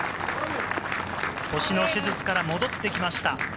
腰の手術から戻ってきました。